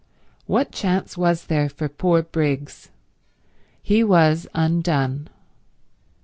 . what chance was there for poor Briggs? He was undone.